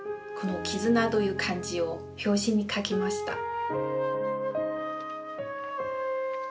この「絆」という漢字を表紙に書きました。